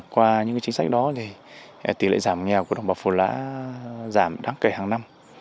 qua những chính sách đó tỷ lệ giảm nghèo của đồng bào phù lá giảm đáng kể hàng năm